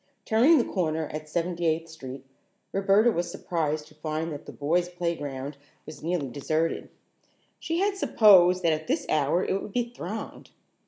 Turning the corner at Seventy eighth Street, Roberta was surprised to find that the boys' playground was nearly deserted. She had supposed that at this hour it would be thronged.